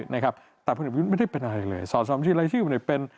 แต่พลเอกประยุทธ์ไม่ได้เป็นอะไรเลยสอดสอบชีวิตรายชื่อไม่ได้เป็น